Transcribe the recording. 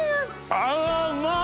あうまい！